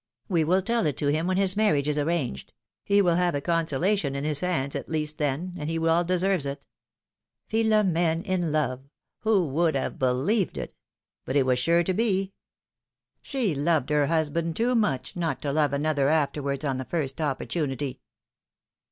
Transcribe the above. We will tell it to him when his marriage is arranged ; he will have a consolation in his hands at least then, and he well deserves it. Philom^ne in love — who would have believed it ! But it was sure to be ; she loved her husband too much, not to love another afterwards on the first opportunity."